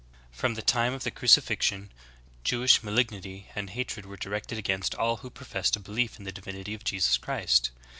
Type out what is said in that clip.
59 From the time of the crucifixion, Jewish malignity and hatred were directed against all who professed a belief in the divinity of Jesus Christ.